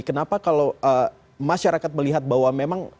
kenapa kalau masyarakat melihat bahwa memang